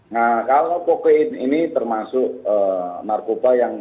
nah kalau kokain ini termasuk narkoba yang